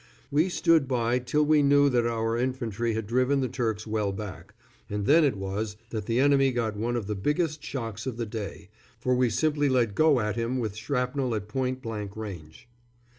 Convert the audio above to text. We stood by till we knew that our infantry had driven the Turks well back, and then it was that the enemy got one of the biggest shocks of the day, for we simply let go at him with shrapnel at point blank range.